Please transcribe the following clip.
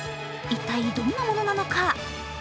一体どんなものなのか。